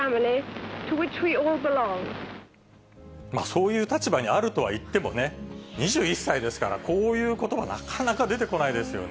そういう立場にあるとはいってもね、２１歳ですから、こういうことば、なかなか出てこないですよ